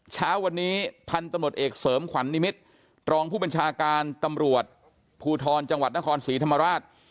เช้าวันนี้พันธุ์ตำรวจเอกเสริมขวัญนิมิตรรองผู้บัญชาการตำรวจภูทรจังหวัดนครศรีธรรมราช